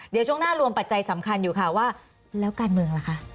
เดี๋ยวช่วงหน้ารวมปัจจัยสำคัญอยู่ค่ะว่าแล้วการเมืองล่ะคะ